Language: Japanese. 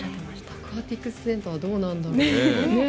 アクアティクスセンターはどうなんだろう。